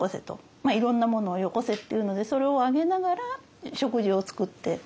まあいろんなものをよこせっていうのでそれをあげながら食事を作って。